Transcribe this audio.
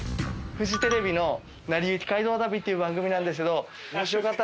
フジテレビの『なりゆき街道旅』っていう番組なんですけどもしよかったら。